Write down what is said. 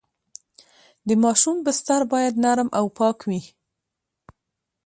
د ماشوم بستر باید نرم او پاک وي۔